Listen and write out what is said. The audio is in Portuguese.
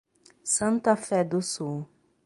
Santa Fé do Sul